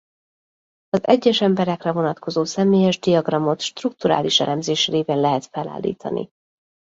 Az egyes emberekre vonatkozó személyes diagramot strukturális elemzés révén lehet felállítani.